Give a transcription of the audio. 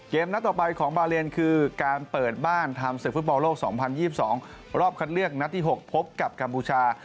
นัดต่อไปของบาเลนคือการเปิดบ้านทำศึกฟุตบอลโลก๒๐๒๒รอบคัดเลือกนัดที่๖พบกับกัมพูชา